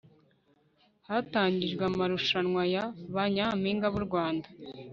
hatangijwe amarushanwa ya ba nyampinga b'u rwanda